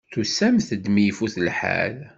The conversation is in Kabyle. Tusamt-d mi ifut lḥal.